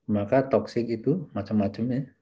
maka toksik itu macam macamnya